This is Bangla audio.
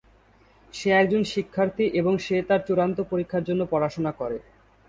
সে একজন শিক্ষার্থী এবং সে তার চূড়ান্ত পরীক্ষার জন্য পড়াশোনা করে।